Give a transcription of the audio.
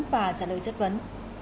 và trả lời chất vấn